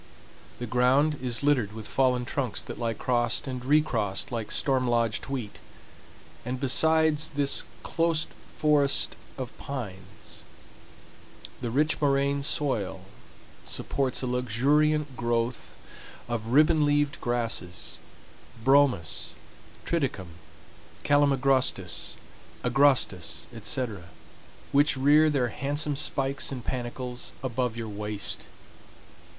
The ground is littered with fallen trunks that lie crossed and recrossed like storm lodged wheat; and besides this close forest of pines, the rich moraine soil supports a luxuriant growth of ribbon leaved grasses—bromus, triticum, calamagrostis, agrostis, etc., which rear their handsome spikes and panicles above your waist.